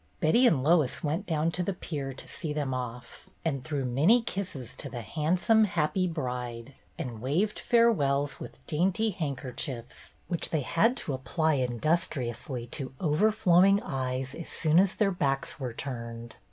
Betty and Lois went down to the pier to see them off, and threw many kisses to the hand some, happy bride, and waved farewells with dainty handkerchiefs, which they had to apply industriously to overflowing eyes as soon as their backs were turned.